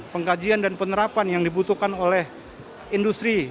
pengkajian dan penerapan yang dibutuhkan oleh industri